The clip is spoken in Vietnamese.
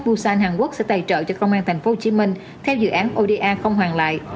busan hàn quốc sẽ tài trợ cho công an tp hcm theo dự án oda không hoàn lại